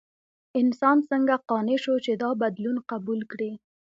انسان څنګه قانع شو چې دا بدلون قبول کړي؟